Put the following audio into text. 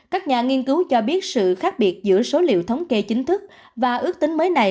các nhà nghiên cứu cho biết sự khác biệt giữa số liệu thống kê chính thức và ước tính mới này